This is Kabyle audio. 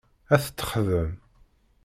Ad t-texdem.